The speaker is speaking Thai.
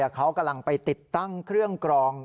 เขากำลังไปติดตั้งเครื่องกรอง